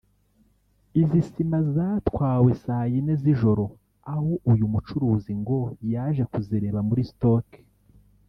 Izi sima zatwawe saa yine z’ijoro aho uyu mucuruzi ngo yaje kuzireba muri stock